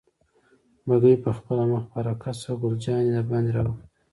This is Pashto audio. بګۍ پخپله مخ په حرکت شوه، ګل جانې دباندې را وکتل.